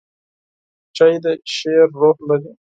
چای د شعر روح لري.